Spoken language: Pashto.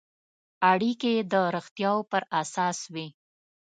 اړیکې یې د رښتیاوو پر اساس وي.